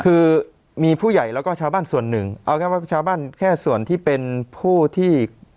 คือมีผู้ใหญ่แล้วก็ชาวบ้านส่วนหนึ่งเอาแค่ว่าชาวบ้านแค่ส่วนที่เป็นผู้ที่